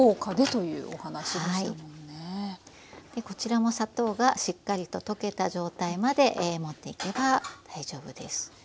こちらも砂糖がしっかりと溶けた状態までもっていけば大丈夫ですから溶かしていきます。